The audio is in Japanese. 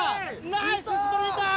ナイススプリンター！